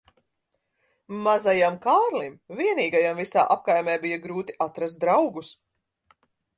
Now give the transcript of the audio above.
Mazajam Kārlim vienīgajam visā apkaimē bija grūti atrast draugus.